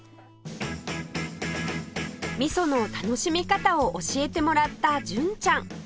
みその楽しみ方を教えてもらった純ちゃん